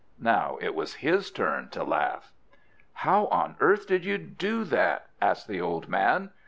Now it was his turn to laugh. "How on earth did you do that?" asked the old man.